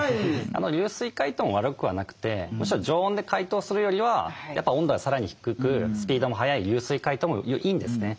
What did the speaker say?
流水解凍も悪くはなくてむしろ常温で解凍するよりはやっぱ温度がさらに低くスピードも速い流水解凍もいいんですね。